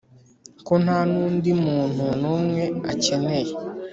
ko nta n’undi muntu n’umwe akeneye.